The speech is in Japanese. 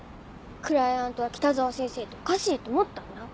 クライアントは北澤先生っておかしいと思ったんだ。